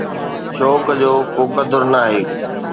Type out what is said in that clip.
شوق جو ڪو قدر ناهي.